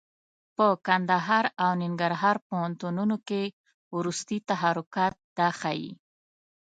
په کندهار او ننګرهار پوهنتونونو کې وروستي تحرکات دا ښيي.